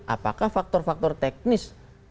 apakah faktor faktor teknis